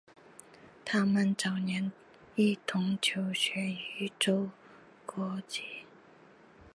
他们早年一同求学于周敦颐。